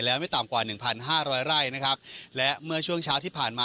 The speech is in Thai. แล้วไม่ต่ำกว่าหนึ่งพันห้าร้อยไร่นะครับและเมื่อช่วงเช้าที่ผ่านมา